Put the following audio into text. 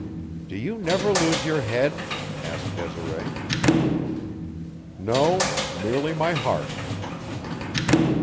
"Do you never lose your head?" asked Desiree. "No, merely my heart."